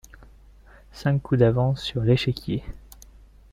Cinq coups d’avance sur l’échiquier.